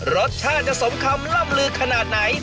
รสชาติจะสมคำล่ำลือขนาดไหน